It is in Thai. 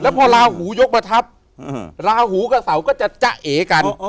พอลาหูยกมาทับราหูกับเสาก็จะจ๊ะเอกัน